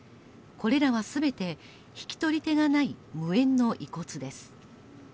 これらは全て引き取り手がない無縁の遺骨です。